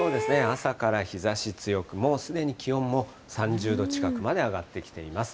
朝から日ざし強く、もうすでに気温も３０度近くまで上がってきています。